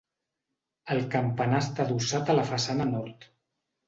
El campanar està adossat a la façana nord.